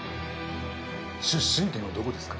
出身県はどこですか？